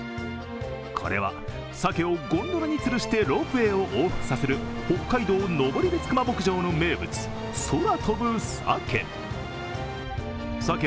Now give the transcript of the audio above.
これは、さけをゴンドラにつるしてロープウェーを往復させる北海道・のぼりべつクマ牧場の名物・空飛ぶサケ。